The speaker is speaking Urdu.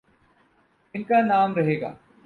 ان کانام رہے گا۔